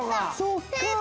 そっか！